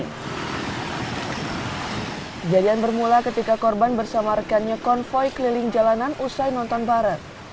kejadian bermula ketika korban bersama rekannya konvoy keliling jalanan usai nonton bareng